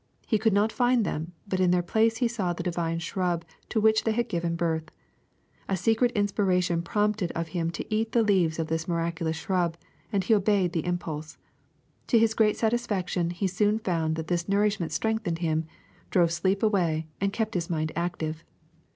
He could not find them, but in their place he saw the divine shrub to which they had given birth. A secret inspiration prompted him to eat of the leaves of this miraculous shrub, and he obeyed the impulse. To his great satisfaction he soon found that this nourish ment strengthened him, drove sleep away, and kept his mind active.